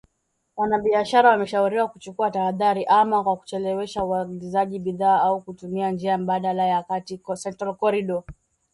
Wafanyabiashara wameshauriwa kuchukua tahadhari, ama kwa kuchelewesha uagizaji bidhaa au kutumia njia mbadala ya kati “Central Corridor”